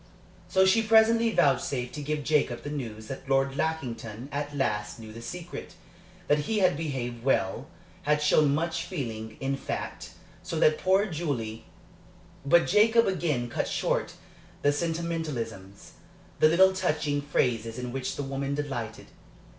So she presently vouchsafed to give Jacob the news that Lord Lackington at last knew the secret that he had behaved well had shown much feeling, in fact so that poor Julie But Jacob again cut short the sentimentalisms, the little touching phrases in which the woman delighted.